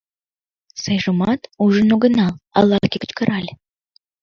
— Сайжымат ужын огынал! — ала-кӧ кычкырале.